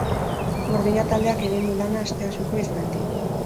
Burdina taldeak egin du lana Asteasuko Eizmendin;